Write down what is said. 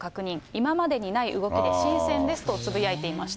今までにない動きで新鮮ですとつぶやいていました。